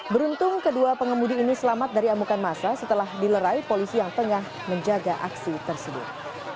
beruntung kedua pengemudi ini selamat dari amukan masa setelah dilerai polisi yang tengah menjaga aksi tersebut